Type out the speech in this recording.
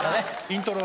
イントロ。